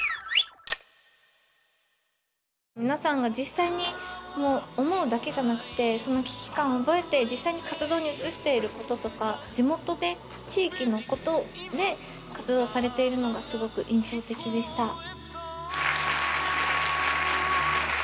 皆さんが実際に思うだけじゃなくてその危機感を覚えて実際に活動に移していることとか地元で地域のことで活動されているのがすごく印象的でした。